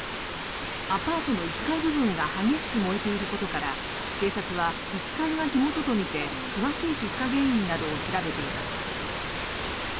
アパートの１階部分が激しく燃えていることから警察は１階が火元とみて詳しい出火原因などを調べています。